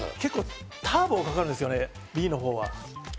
ターボがかかるんです、Ｂのほうは。